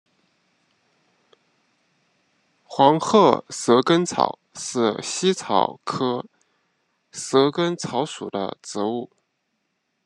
黄褐蛇根草是茜草科蛇根草属的植物。